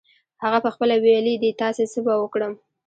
هغه پخپله ویلې دي داسې څه به وکړم.